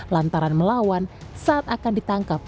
lantaran melawan saat akan ditangkap